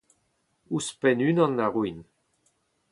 Ouzhpenn unan a roin.